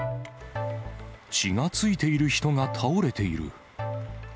血がついている人が倒れている。